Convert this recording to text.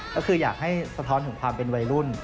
ก็คืออยากให้สะท้อนถึงความเป็นวัยรุ่น